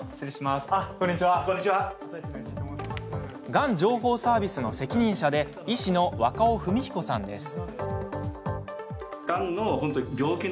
がん情報サービスの責任者で医師の若尾文彦さんです。